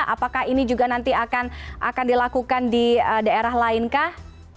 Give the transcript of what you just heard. apakah ini juga nanti akan dilakukan di daerah lain kah